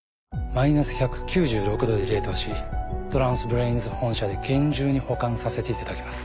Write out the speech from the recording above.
マイナス１９６℃で冷凍しトランスブレインズ本社で厳重に保管させていただきます。